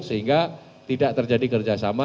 sehingga tidak terjadi kerjasama